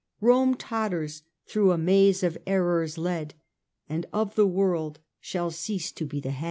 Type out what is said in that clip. Rome totters, through a maze of errors led, And of the world shall cease to be the head."